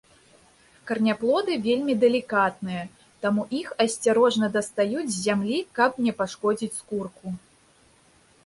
Караняплоды вельмі далікатныя, таму іх асцярожна дастаюць з зямлі, каб не пашкодзіць скурку.